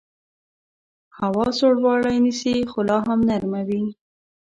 هوا سوړوالی نیسي خو لاهم نرمه وي